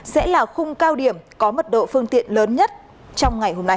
sẽ là khung cao điểm có mật độ phương tiện lớn nhất trong ngày hôm nay